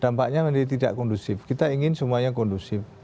dampaknya menjadi tidak kondusif kita ingin semuanya kondusif